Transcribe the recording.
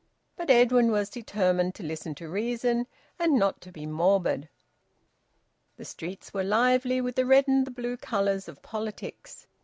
But Edwin was determined to listen to reason and not to be morbid. The streets were lively with the red and the blue colours of politics.